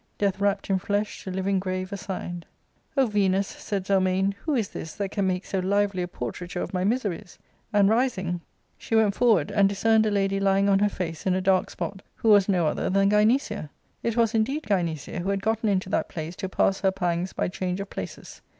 Death wrapp'd in flesh to living grave assigned." " O Venus !" said Zelmane, " who is this that can make so lively a portraiture of my miseries ?" And, rising, she went forward, and discerned a lady lying on her face in a dark spot, who was no other than Gynecia. It was indeed Gynecia, who had gotten into that place to pass her pangs by change of places.